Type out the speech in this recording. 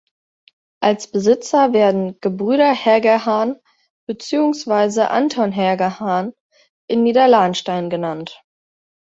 Als Besitzer werden „Gebrüder Hergerhahn“ beziehungsweise Anton Hergenhahn in Niederlahnstein genannt.